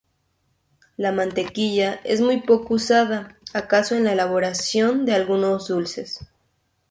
La mantequilla es muy poco usada, acaso en la elaboración de algunos dulces.